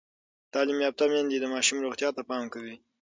تعلیم یافته میندې د ماشوم روغتیا ته پام کوي۔